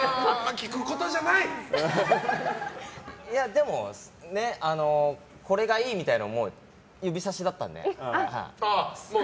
でも、これがいいみたいなのを指さしだったので。